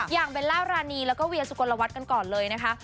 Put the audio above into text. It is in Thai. เบลล่ารานีแล้วก็เวียสุกลวัฒน์กันก่อนเลยนะคะ